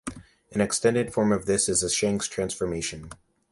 An extended form of this is the Shanks transformation.